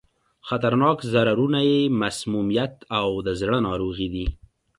خطرناک ضررونه یې مسمومیت او د زړه ناروغي دي.